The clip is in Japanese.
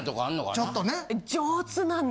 ちょっとね。